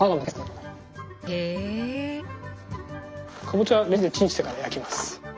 かぼちゃはレンジでチンしてから焼きます。